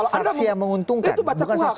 saksi yang menguntungkan itu baca kuhap